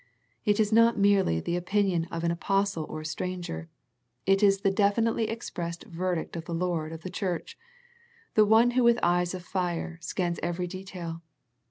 It is not merely the opinion of an apostle or a stranger. It is the definitely expressed verdict of the Lord of the church, the One Who with eyes of fire, scans every detail.